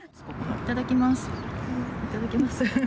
いただきます。